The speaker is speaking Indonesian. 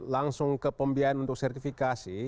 langsung ke pembiayaan untuk sertifikasi